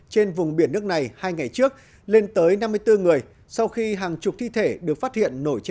trên vùng biển nước này hai ngày trước lên tới năm mươi bốn người